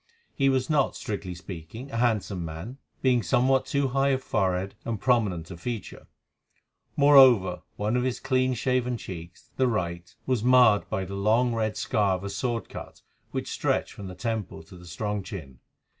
He was not, strictly speaking, a handsome man, being somewhat too high of forehead and prominent of feature; moreover, one of his clean shaven cheeks, the right, was marred by the long, red scar of a sword cut which stretched from the temple to the strong chin.